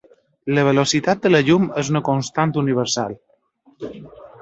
La velocitat de la llum és una constant universal.